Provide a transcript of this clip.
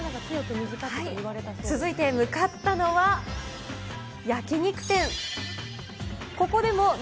続いて向かったのは、焼き肉店。